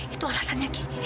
itu alasannya ki